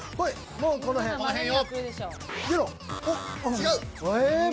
もうこの辺よ。